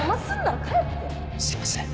すいません